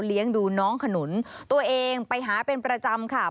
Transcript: ดูน้องขนุนตัวเองไปหาเป็นประจำค่ะ